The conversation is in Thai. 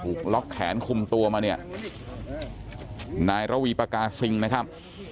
ล็อกแขนคุมตัวมาเนี่ยนายระวีปากาซิงนะครับ